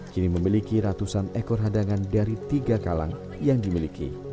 kini memiliki ratusan ekor hadangan dari tiga kalang yang dimiliki